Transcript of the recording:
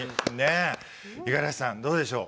五十嵐さん、どうでしょう。